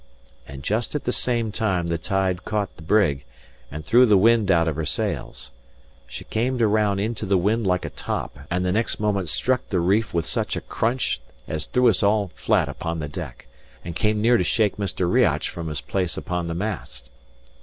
And just at the same time the tide caught the brig, and threw the wind out of her sails. She came round into the wind like a top, and the next moment struck the reef with such a dunch as threw us all flat upon the deck, and came near to shake Mr. Riach from his place upon the mast.